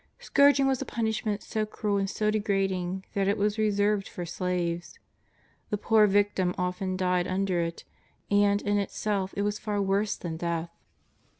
Scourging was a punishment so cruel and so degrad ing that it was reserved for slaves. The poor victim often died under it, and, in itself, it w^as far worse than death.